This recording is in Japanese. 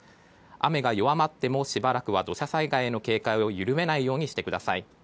雨が弱まってもしばらくは土砂災害への警戒を緩めないようにしてください。